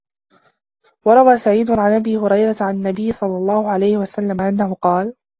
وَرَوَى سَعِيدٌ عَنْ أَبِي هُرَيْرَةَ عَنْ النَّبِيِّ صَلَّى اللَّهُ عَلَيْهِ وَسَلَّمَ أَنَّهُ قَالَ